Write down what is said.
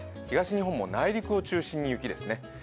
東日本も内陸を中心に雪ですね。